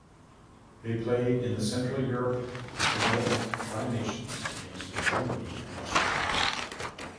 They played in the Central Europe Development Tri-Nations against Germany and Austria.